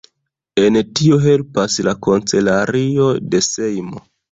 En tio helpas la kancelario de Sejmo.